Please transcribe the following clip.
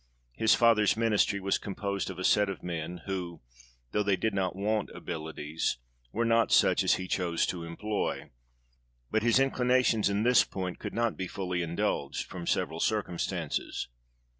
His father's ministry was composed of a set of men, who, though they did not want abilities, were not such as he chose to employ ; but his inclinations in this point could not be fully indulged, from several circumstances.